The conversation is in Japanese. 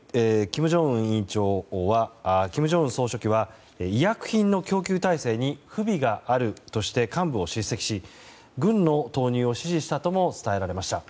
金正恩総書記は医薬品の供給体制に不備があるとして幹部を叱責し軍の投入を指示したとも伝えられました。